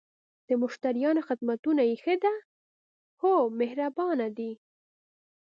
د مشتریانو خدمتونه یی ښه ده؟ هو، مهربانه دي